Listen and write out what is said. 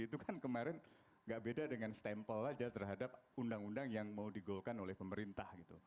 itu kan kemarin nggak beda dengan stempel aja terhadap undang undang yang mau digolkan oleh pemerintah gitu